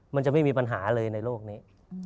มันจะไม่มีปัญหาเลยในโลกนี้